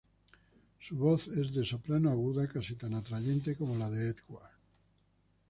Su voz es de soprano aguda, casi tan atrayente como la de Edward.